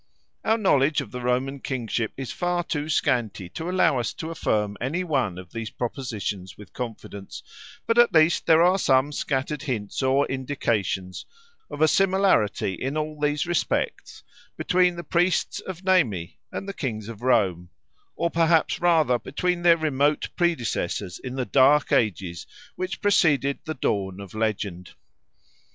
Our knowledge of the Roman kingship is far too scanty to allow us to affirm any one of these propositions with confidence; but at least there are some scattered hints or indications of a similarity in all these respects between the priests of Nemi and the kings of Rome, or perhaps rather between their remote predecessors in the dark ages which preceded the dawn of legend.